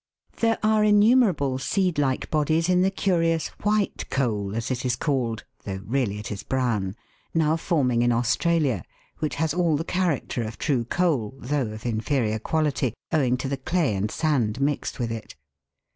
There are innumerable seed like bodies in the curious " white coal," as it is called, though really it is brown, now forming in Australia, which has all the character of true coal, though of inferior quality, owing to the clay and sand mixed with it.